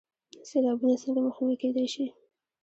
سیلابونه څنګه مخنیوی کیدی شي؟